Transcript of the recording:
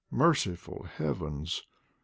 Merciful heavens !